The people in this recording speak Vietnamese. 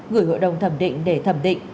gửi hội đồng thẩm định để thẩm định